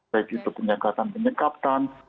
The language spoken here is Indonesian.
baik itu penyekatan penyekaptan